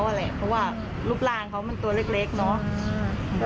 เพราะว่ารูปร่างเขามันตัวเล็กเนาะ